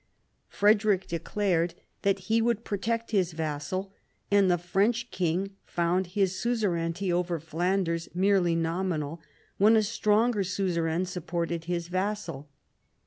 Frederic declared that chap, iv BOUVINES 89 •he would protect his vassal, and the French king found his suzerainty over Flanders merely nominal when a stronger suzerain supported his vassal.